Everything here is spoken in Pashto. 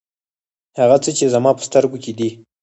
هغه څه چې زما په سترګو کې دي.